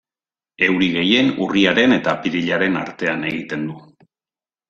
Euri gehien urriaren eta apirilaren artean egiten du.